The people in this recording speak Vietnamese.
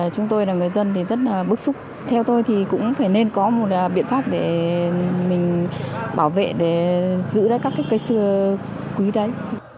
chúng tôi là người dân thì rất là bức xúc theo tôi thì cũng phải nên có một biện pháp để mình bảo vệ để giữ ra các cái cây xưa quý đấy